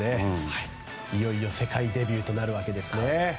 いよいよ世界デビューとなるわけですね。